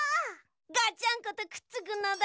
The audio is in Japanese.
ガチャンコとくっつくのだ！